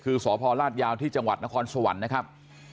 คือสพลาดยาวที่จังหวัดนครสวรรค์นะครับ